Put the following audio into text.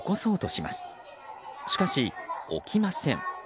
しかし、起きません。